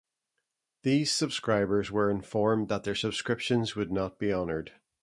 These subscribers were informed that their subscriptions would not be honored.